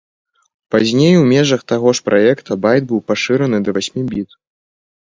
Пазней у межах таго ж праекта, байт быў пашыраны да васьмі біт.